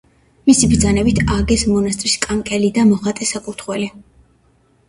მისი ბრძანებით ააგეს მონასტრის კანკელი და მოხატეს საკურთხეველი.